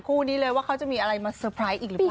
รู้ว่าเขาจะมีอะไรมาสะพรายอีกหรือเปล่า